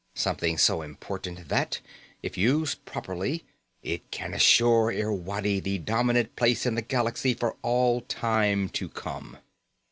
Something so important that, if used properly, it can assure Irwadi the dominant place in the galaxy for all time to come."